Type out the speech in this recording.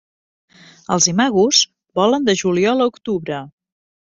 Els imagos volen de juliol a octubre.